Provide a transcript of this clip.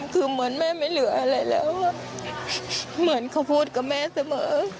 คือเหมือนแม่ไม่เหลืออะไรแล้วเหมือนเขาพูดกับแม่เสมอ